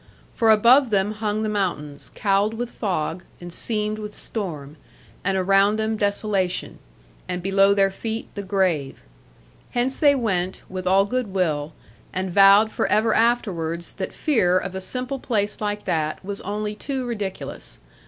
For above them hung the mountains, cowled with fog, and seamed with storm; and around them desolation; and below their feet the grave. Hence they went, with all goodwill; and vowed for ever afterwards that fear of a simple place like that was only too ridiculous.